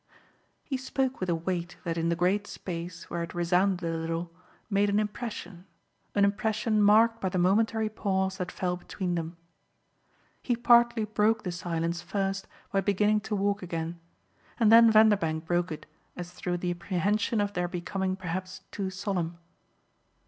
He spoke with a weight that in the great space, where it resounded a little, made an impression an impression marked by the momentary pause that fell between them. He partly broke the silence first by beginning to walk again, and then Vanderbank broke it as through the apprehension of their becoming perhaps too solemn.